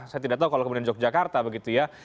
saya tidak tahu kalau kemudian yogyakarta begitu ya